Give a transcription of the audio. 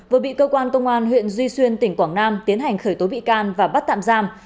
vừa bị cơ quan công an huyện duy xuyên tỉnh quảng nam tiến hành khởi tố bị can và bắt tạm giam